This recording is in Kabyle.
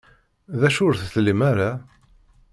D acu ur tlim ara?